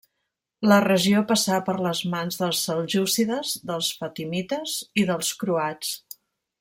La regió passà per les mans dels seljúcides, dels fatimites i dels croats.